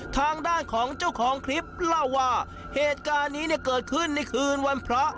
ทางด้านของเจ้าของคลิปเล่าว่าเหตุการณ์นี้เนี่ยเกิดขึ้นในคืนวันพระ